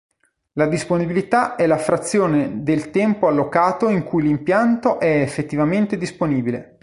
La disponibilità è la frazione del tempo allocato in cui l'impianto è effettivamente disponibile.